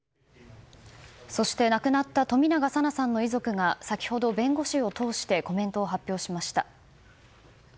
そして亡くなった冨永紗菜さんの遺族が先ほど弁護士を通してコメントを発表しました。